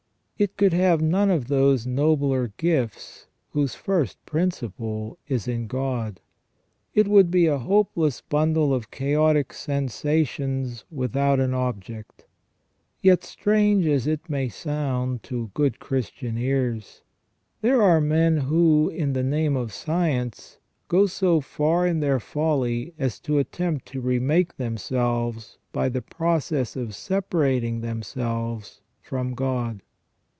It could have none of those nobler gifts whose first principle is in God. It would be a hopeless bundle of chaotic sensations without an object. Yet, strange as it may sound to good Christian ears, there are men who, in the name of science, go so far in their folly as to attempt to remake themselves by the process of separating themselves from God.